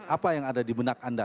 apa yang ada di benak anda